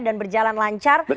dan berjalan lancar